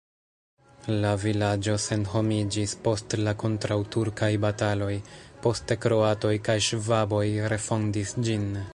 La vilaĝo senhomiĝis post la kontraŭturkaj bataloj, poste kroatoj kaj ŝvaboj refondis ĝin.